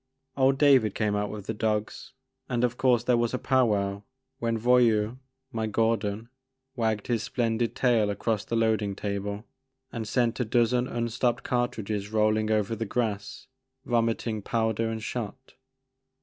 Old David came out with the dogs and of course there was a pow wow when Voyou," my Gor don, wagged his splendid tail across the loading table and sent a dozen unstopped cartridges roll ing over the grass, vomiting powder and shot.